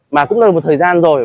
mà cũng là một thời gian rồi